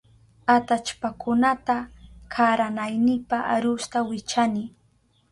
Atallpakunata karanaynipa arusta wichani.